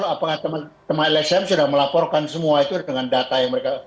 apakah teman teman lsm sudah melaporkan semua itu dengan data yang mereka